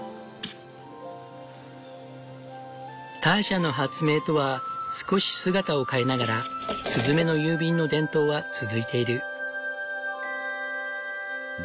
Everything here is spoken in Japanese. ターシャの発明とは少し姿を変えながらスズメの郵便の伝統は続いている。